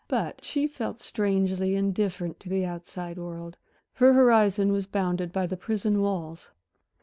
But she felt strangely indifferent to the outside world. Her horizon was bounded by the prison walls.